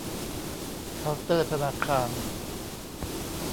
เคาน์เตอร์ธนาคาร